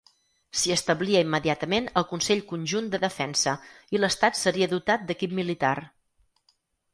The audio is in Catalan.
S'hi establia immediatament el Consell Conjunt de Defensa i l'Estat seria dotat d'equip militar.